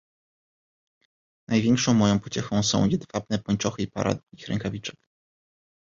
"Największą moją pociechą są jedwabne pończochy i para długich rękawiczek."